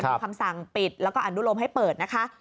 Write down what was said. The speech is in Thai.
มีคำสั่งปิดแล้วก็อนุโลมให้เปิดนะคะ